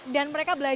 dan mereka belajar